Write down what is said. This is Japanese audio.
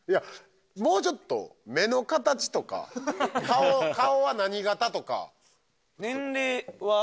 もうちょっと目の形とか顔は何形とか年齢は？